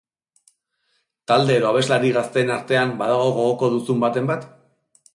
Talde edo abeslari gazteen artean badago gogoko duzun baten bat?